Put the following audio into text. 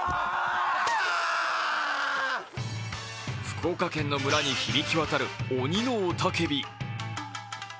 福岡県の村に響きわたる鬼の雄叫び。